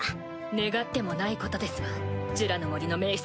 願ってもないことですわジュラの森の盟主様。